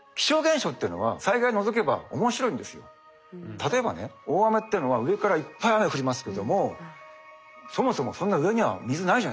例えばね大雨っていうのは上からいっぱい雨降りますけれどもそもそもそんな上には水ないじゃないですか。